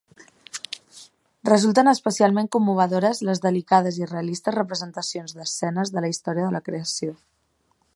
Resulten especialment commovedores les delicades i realistes representacions d'escenes de la història de la creació.